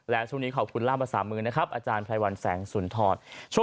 และช่วงนี้ขอบคุณล่ามภาษามือนะครับอาจารย์ไพรวัลแสงสุนทร